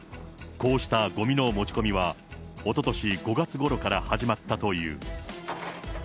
こうしたごみの持ち込みは、おととし５月ごろから始まったという。